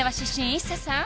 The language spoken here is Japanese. ＩＳＳＡさん